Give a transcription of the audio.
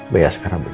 baik askara belum